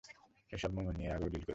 এসব মমি নিয়ে এর আগেও ডিল করেছি!